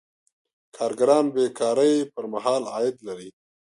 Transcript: کارګران بې کارۍ پر مهال عاید لري.